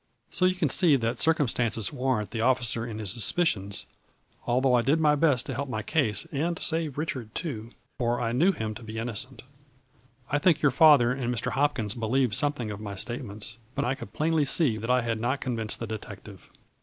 So you can see that circum no A FL XT Till Y IN DIAMONDS. stances warrant the officer in his suspicions, although I did my best to help my case and save Richard too, for knew him to I be innocent. I think your father and Mr. Hopkins believed something of my statements, but I could plainly see that I had not convinced the detective.